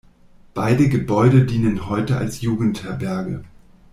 Beide Gebäude dienen heute als Jugendherberge.